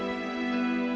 kita sendiri kan